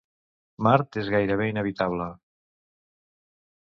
Mart és gairebé inhabitable.